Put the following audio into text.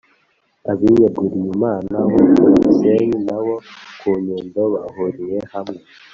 abiyeguriyimana bo ku gisenyi n’abo ku nyundo bahuriye hamwe